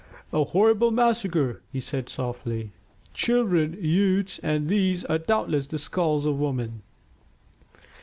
"A horrible massacre," he said softly. "Children, youths, and these are doubtless the skulls of women."